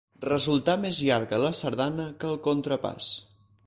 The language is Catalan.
Resultar més llarga la sardana que el contrapàs.